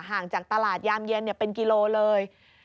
ห่างจากตลาดยามเย็นเป็นกิโลเลย